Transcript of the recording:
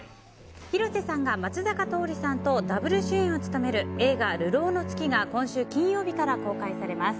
広瀬さんが松坂桃李さんとダブル主演を務める映画「流浪の月」が今週金曜日から公開されます。